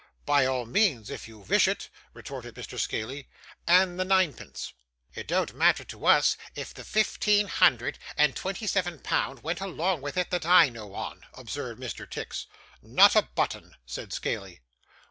'By all means if you vish it,' retorted Mr. Scaley; 'and the ninepence.' 'It don't matter to us if the fifteen hundred and twenty seven pound went along with it, that I know on,' observed Mr. Tix. 'Not a button,' said Scaley.